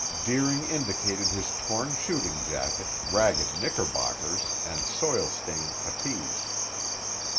Deering indicated his torn shooting jacket, ragged knickerbockers, and soil stained puttees.